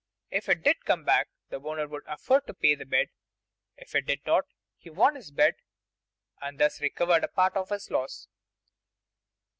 If it did come back, the owner could afford to pay the bet; if it did not, he won his bet and thus recovered a part of his loss.